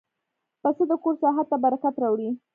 پسه د کور ساحت ته برکت راوړي.